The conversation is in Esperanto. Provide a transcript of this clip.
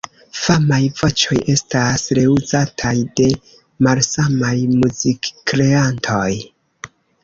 Famaj voĉoj estas reuzataj de malsamaj muzikkreantoj.